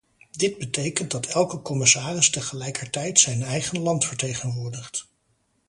Dit betekent dat elke commissaris tegelijkertijd zijn eigen land vertegenwoordigt.